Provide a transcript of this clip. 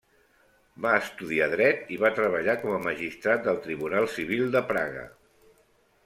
Va estudiar Dret i va treballar com a magistrat del Tribunal civil de Praga.